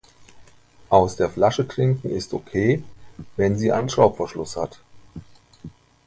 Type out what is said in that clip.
Aus der Flasche trinken ist okay, wenn sie einen Schraubverschluss hat.